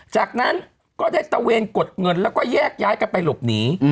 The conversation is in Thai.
จากนั้นก็ได้ตะเวนกดเงินแล้วก็แยกย้ายกันไปหลบหนี